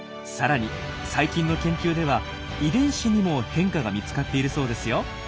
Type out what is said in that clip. さらに最近の研究では遺伝子にも変化が見つかっているそうですよ。